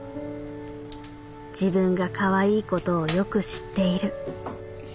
自分がかわいいことをよく知っている。